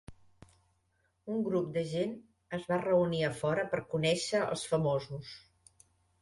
Un grup de gent es va reunir a fora per conèixer els famosos.